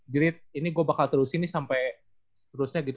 jerit ini gua bakal terusin nih sampai seterusnya gitu